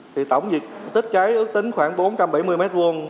thì tổng diện tích cháy ước tính khoảng bốn trăm bảy mươi m hai